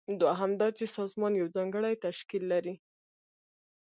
دوهم دا چې سازمان یو ځانګړی تشکیل لري.